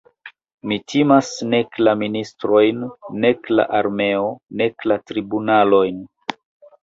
Mi timas nek la ministrojn, nek la armeon, nek la tribunalojn.